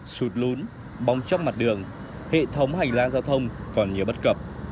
sụt lún bong chóc mặt đường hệ thống hành lang giao thông còn nhiều bất cập